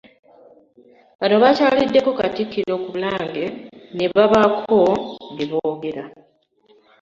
Bano bakyaliddeko katikkiro ku Bulange ne babaako bye boogera